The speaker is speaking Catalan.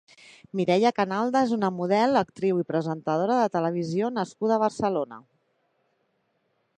Mireia Canalda és una model, actriu i presentadora de televisió nascuda a Barcelona.